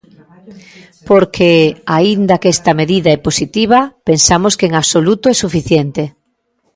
Porque, aínda que esta medida é positiva, pensamos que en absoluto é suficiente.